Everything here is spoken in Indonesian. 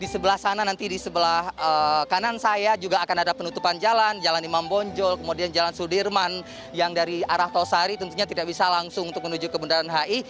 di sebelah sana nanti di sebelah kanan saya juga akan ada penutupan jalan jalan imam bonjol kemudian jalan sudirman yang dari arah tosari tentunya tidak bisa langsung untuk menuju ke bundaran hi